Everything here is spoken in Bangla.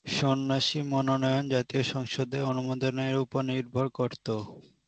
সন্ন্যাসী মনোনয়ন জাতীয় সংসদের অনুমোদনের ওপর নির্ভর করত।